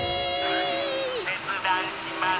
せつだんします。